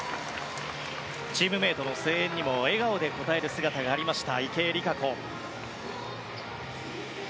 チームメートの声援にも笑顔で応える姿がありました池江璃花子です。